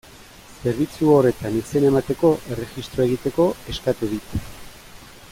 Zerbitzu horretan izena emateko, erregistroa egiteko, eskatu dit.